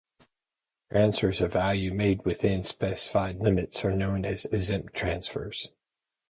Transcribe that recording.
Transfers of value made within specified limits are known as "exempt transfers".